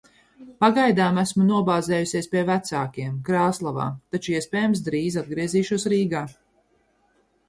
Pagaidām esmu nobāzējusies pie vecākiem, Krāslavā, taču, iespējams, drīz atgriezīšos Rīgā.